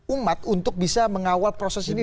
umat untuk bisa mengawal proses ini